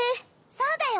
そうだよ。